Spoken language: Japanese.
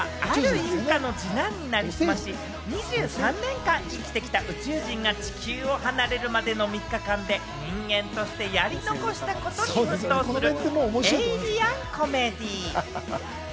映画は、ある一家の二男になりすまし、２３年間生きてきた宇宙人が地球を離れるまでの３日間で人間としてやり残したことに奮闘する、エイリアンコメディー。